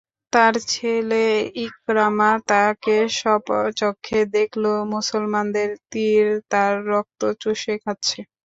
তার ছেলে ইকরামা তাকে স্বচক্ষে দেখল, মুসলমানদের তীর তার রক্ত চুষে খাচ্ছে।